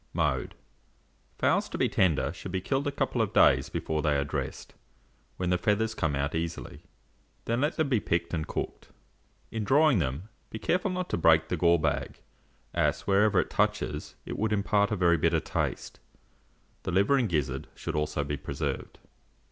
Mode. Fowls to be tender should be killed a couple of days before they are dressed; when the feathers come out easily, then let them be picked and cooked. In drawing them, be careful not to break the gall bag, as, wherever it touches, it would impart a very bitter taste; the liver and gizzard should also be preserved.